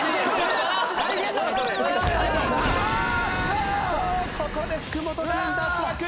あーっとここで福本君脱落！